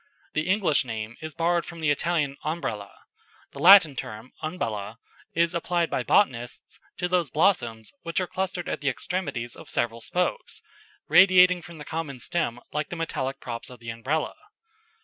The English name is borrowed from the Italian Ombrella. The Latin term Umbella is applied by botanists to those blossoms which are clustered at the extremities of several spokes, radiating from the common stem like the metallic props of the Umbrella.